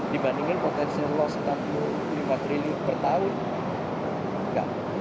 dibandingkan potensi loss rp tiga puluh lima triliun per tahun tidak